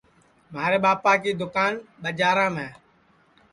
مھارے ٻاپا کی دوکان ٻجارام ہے